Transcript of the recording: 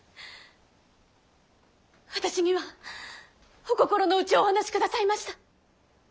私にはお心の内をお話しくださいました。